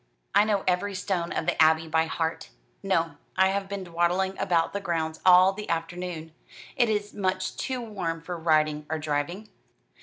"I know every stone of the Abbey by heart. No, I have been dawdling about the grounds all the afternoon. It is much too warm for riding or driving."